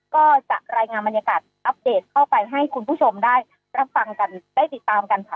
ก็จะรายงานบรรยากาศอัปเดตเข้าไปให้คุณผู้ชมได้รับฟังกันได้ติดตามกันค่ะ